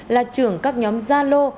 là trưởng các nhóm zalo